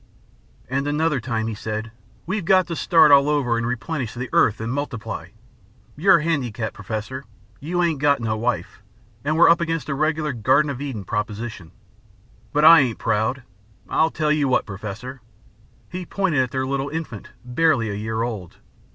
"And another time he said: 'We've got to start all over and replenish the earth and multiply. You're handicapped, Professor. You ain't got no wife, and we're up against a regular Garden of Eden proposition. But I ain't proud. I'll tell you what, Professor.' He pointed at their little infant, barely a year old.